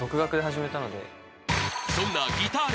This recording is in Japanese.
［そんなギター歴